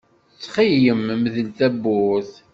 Ttxil-m mdel tawwurt.